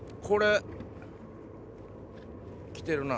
これ。